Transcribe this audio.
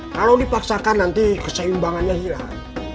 kalau dipaksakan nanti keseimbangannya hilang